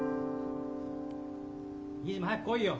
・飯島早く来いよ！